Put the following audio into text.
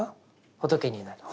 仏になる。